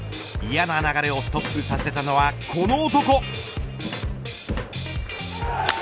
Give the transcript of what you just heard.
嫌な流れをストップさせたのはこの男。